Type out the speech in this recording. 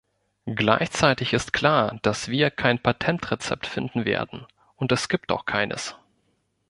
Gleichzeitig ist klar, dass wir kein Patentrezept finden werden, und es gibt auch keines.